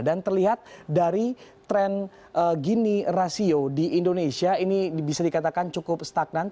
dan terlihat dari tren gini rasio di indonesia ini bisa dikatakan cukup stagnan